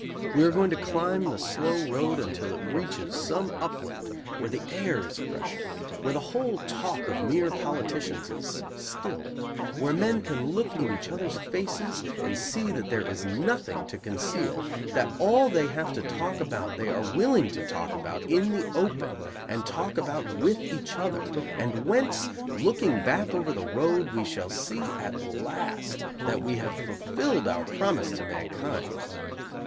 We are going to climb the slow road until it reaches some upland where the air is fresher, where the whole talk of mere politicians is stilled, where men can look in each other's faces and see that there is nothing to conceal, that all they have to talk about they are willing to talk about in the open and talk about with each other; and whence, looking back over the road, we shall see at last that we have fulfilled our promise to mankind.